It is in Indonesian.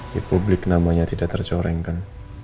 di publik namanya tidak tercorengkan